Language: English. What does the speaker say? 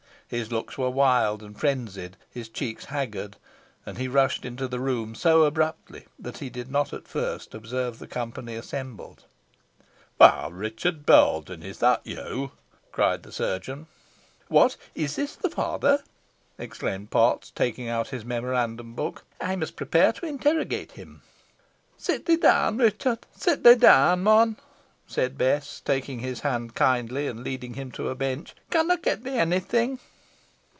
His looks were wild and frenzied, his cheeks haggard, and he rushed into the room so abruptly that he did not at first observe the company assembled. "Why, Richard Baldwyn, is that you?" cried the chirurgeon. "What! is this the father?" exclaimed Potts, taking out his memorandum book; "I must prepare to interrogate him." "Sit thee down, Ruchot, sit thee down, mon," said Bess, taking his hand kindly, and leading him to a bench. "Con ey get thee onny thing?"